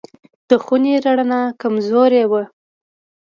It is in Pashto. د خونې رڼا کمزورې وه.